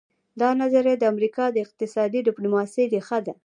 دا نظریه د امریکا د اقتصادي ډیپلوماسي ریښه ده